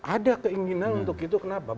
ada keinginan untuk itu kenapa